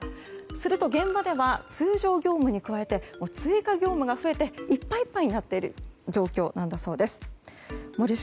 すると、現場では通常業務に加えて追加業務が増えていっぱいいっぱいになっている状況なんだそうです。